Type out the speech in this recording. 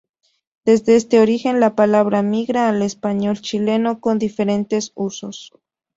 Desde este origen, la palabra migra al español chileno con diferentes usos.